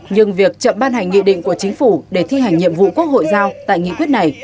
nhưng việc chậm ban hành nghị định của chính phủ để thi hành nhiệm vụ quốc hội giao tại nghị quyết này